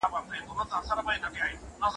دلته زما د باباګانو هدیره پاتېږي